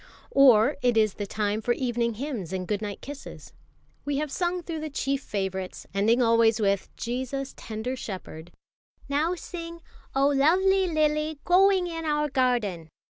Or it is the time for evening hymns and good night kisses. We have sung through the chief favourites, ending always with, "Jesus, tender Shepherd." "Now sing, 'Oh, luvvly lily g'oing in our garden!'"